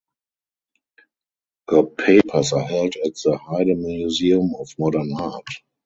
Her papers are held at the Heide Museum of Modern Art.